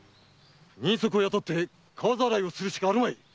人足を雇って川浚いをするしかあるまい。